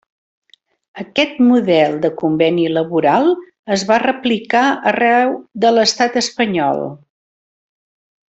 Aquest model de conveni laboral es va replicar arreu de l'Estat espanyol.